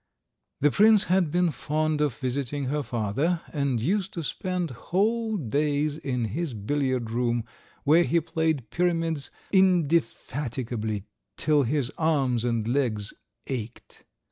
The prince had been fond of visiting her father, and used to spend whole days in his billiard room, where he played pyramids indefatigably till his arms and legs ached.